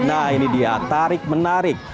nah ini dia tarik menarik